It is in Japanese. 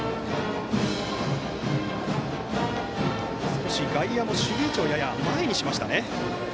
少し外野も守備位置をやや前にしました。